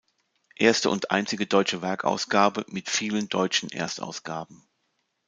Erste und einzige deutsche Werkausgabe, mit vielen deutschen Erstausgaben.